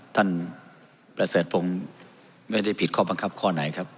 ท่านประเสริฐพงศ์ไม่ได้ผิดข้อบังคับข้อไหนครับ